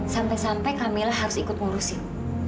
sampai sampai camilla harus ikut ngurusin